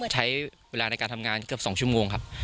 ใช้เวลาในการทำงานเกือบ๒ชั่วโมงครับ